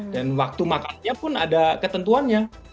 dan waktu makan pun ada ketentuannya